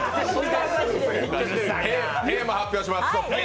テーマを発表します。